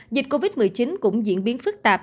dịch covid một mươi chín cũng diễn biến phức tạp